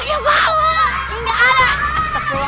ini gak ada astagfirullahaladzim